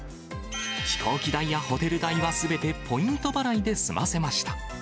飛行機代やホテル代はすべてポイント払いで済ませました。